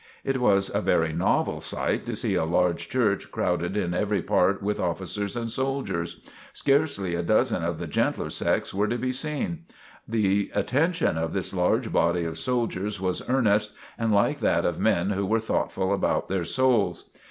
It was a very novel sight to see a large Church crowded in every part with officers and soldiers. Scarcely a dozen of the gentler sex were to be seen. The attention of this large body of soldiers was earnest and like that of men who were thoughtful about their souls.